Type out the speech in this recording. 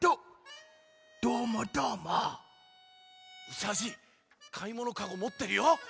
うさじいかいものカゴもってるよ。